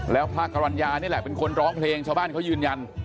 แล้วพระกรรณญานี่แหละเป็นคนร้องเพลงชาวบ้านเขายืนยัน